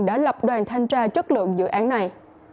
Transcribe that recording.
đã lập đoàn thanh tra chất lượng dự án này